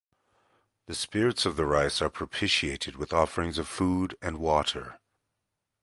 The spirits of the rice are propitiated with offerings of food and water.